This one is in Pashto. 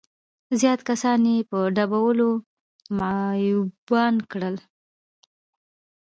زيات کسان يې په ډبولو معيوبان کړل.